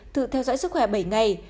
từ theo dõi sức khỏe bảy ngày